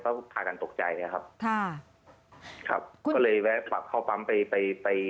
ก็อาการตกใจนะครับค่ะครับก็เลยแวะเข้าปั๊มไปไปไป